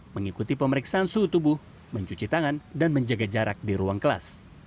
mengikuti pemeriksaan suhu tubuh mencuci tangan dan menjaga jarak di ruang kelas